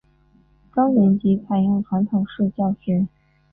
高年级采用传统式教学。